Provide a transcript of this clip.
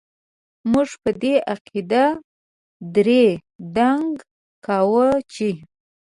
موږ په دې عقيده دړي دنګ کاوو چې ...